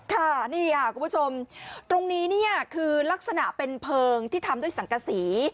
ค่ะนี่ค่ะคุณผู้ชมตรงนี้เนี่ยคือลักษณะเป็นเพลิงที่ทำด้วยสังกษี